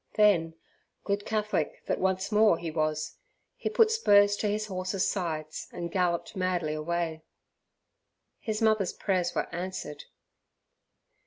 Then, good Catholic that once more he was, he put spurs to his horse's sides and galloped madly away. His mother's prayers were answered.